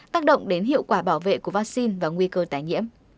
tác động đến hiệu quả bảo vệ của vaccine và nguy cơ tái nhiễm